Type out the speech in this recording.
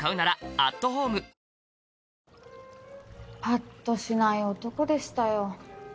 ぱっとしない男でしたよ。